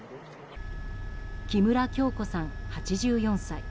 木村京子さん、８４歳。